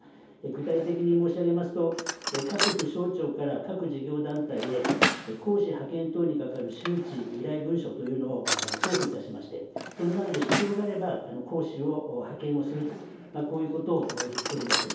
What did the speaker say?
具体的に申し上げますと、各府省庁から各事業団体へ、講師派遣等にかかる周知依頼文書というのを送付いたしまして、その中で必要があれば講師を派遣をすると、こういうことを言っております。